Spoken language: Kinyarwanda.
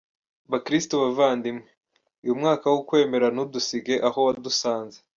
Bakristu bavandimwe, uyu mwaka w’ukwemera ntudusige aho wadusanze.